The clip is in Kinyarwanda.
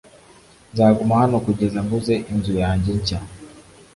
Nzaguma hano kugeza nguze inzu yanjye nshya .